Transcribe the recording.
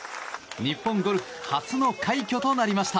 日本ゴルフ初の快挙となりました。